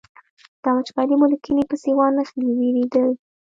دا وچکالي مو له کلي پسې وانخلي وېرېدل.